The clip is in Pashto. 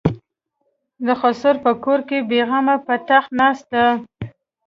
د خسر په کور کې بې غمه په تخت ناسته ده.